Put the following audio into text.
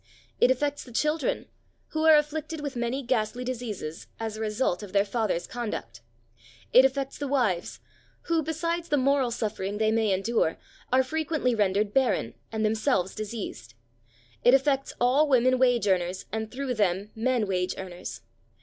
It affects the children, who are afflicted with many ghastly diseases, as a result of their father's conduct; it affects the wives, who, besides the moral suffering they may endure, are frequently rendered barren, and themselves diseased; it affects all women wage earners and, through them, men wage earners.